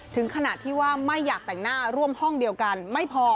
ถึงขณะที่ว่าไม่อยากแต่งหน้าร่วมห้องเดียวกันไม่พอ